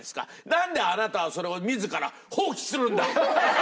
なんであなたはそれを自ら放棄するんだ！